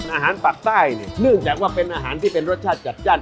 อาหารปากใต้เนี่ยเนื่องจากว่าเป็นอาหารที่เป็นรสชาติจัดจ้าน